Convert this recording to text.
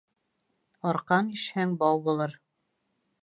Арҡан ишһәң бау булыр